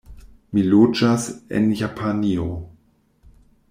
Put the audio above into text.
Mi loĝas en Japanio.